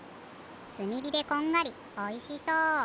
すみびでこんがりおいしそう。